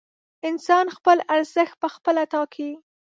انسان خپل ارزښت پخپله ټاکي.